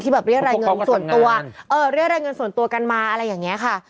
แบบเรียกรายเงินส่วนตัวเออเรียกรายเงินส่วนตัวกันมาอะไรอย่างนี้ค่ะ